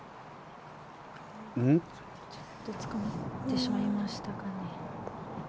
ちょっとつかまってしまいましたかね。